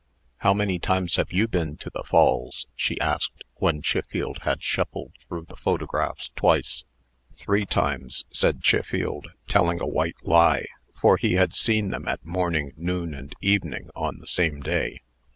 "How many times have you been to the Falls?" she asked, when Chiffield had shuffled through the photographs twice. "Three times," said Chiffield, telling a white lie; for he had seen them at morning, noon, and evening on the same day.